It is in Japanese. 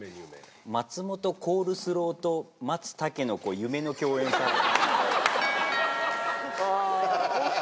松本コールスローと松たけのこ夢の共演サラダ。